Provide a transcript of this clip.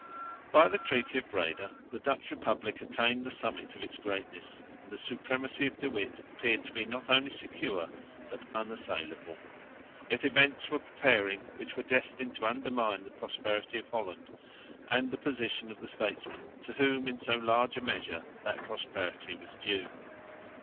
By the treaty of Breda the Dutch republic attained the summit of its greatness, and the supremacy of De Witt appeared to be not only secure but unassailable. Yet events were preparing which were destined to undermine the prosperity of Holland and the position of the statesman to whom in so large a measure that prosperity was due.